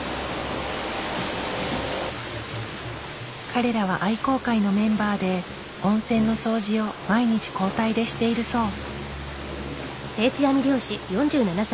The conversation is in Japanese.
彼らは愛好会のメンバーで温泉の掃除を毎日交代でしているそう。